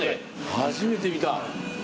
初めて見た。